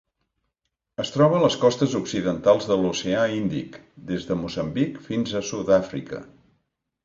Es troba a les costes occidentals de l'Oceà Índic: des de Moçambic fins a Sud-àfrica.